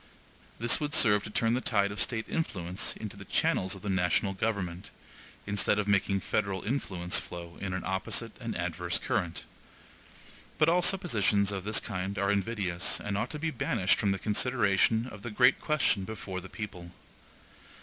This would serve to turn the tide of State influence into the channels of the national government, instead of making federal influence flow in an opposite and adverse current. But all suppositions of this kind are invidious, and ought to be banished from the consideration of the great question before the people.